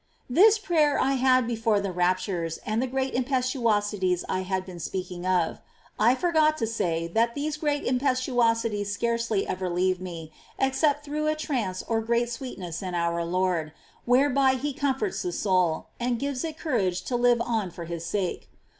^ 18. This prayer I had before the raptures and the great impetuosities I have been speaking of. I forgot to say that these great impetuosities scarcely ever leave me, except through a trance or great sweetness in our Lord, whereby He comforts the soul, and gives it courage to live on for His sake.